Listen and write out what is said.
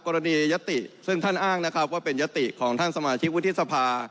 กรณียติซึ่งท่านอ้างนะครับว่าเป็นยติของท่านสมาชิกวุฒิสภา